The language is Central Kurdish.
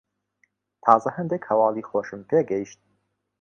تازە هەندێک هەواڵی خۆشم پێ گەیشت.